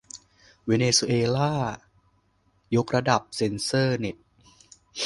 เวเนซุเอลายกระดับเซ็นเซอร์เน็ต